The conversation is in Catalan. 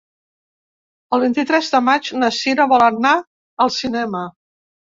El vint-i-tres de maig na Sira vol anar al cinema.